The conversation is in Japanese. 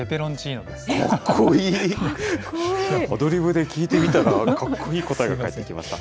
アドリブで聞いてみたら、かっこいい答えが返ってきました。